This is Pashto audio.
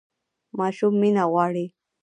ماشوم مینه غواړي